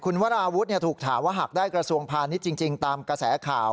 คุณวราวุฒิถูกถามว่าหากได้กระทรวงพาณิชย์จริงตามกระแสข่าว